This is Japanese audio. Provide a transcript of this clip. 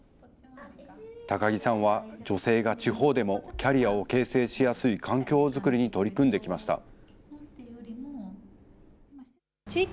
高木さんは女性が地方でもキャリアを形成しやすい環境作りに取り組んできました。